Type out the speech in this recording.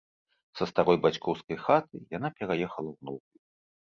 Са старой бацькоўскай хаты яна пераехала ў новую.